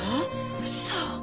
うそ。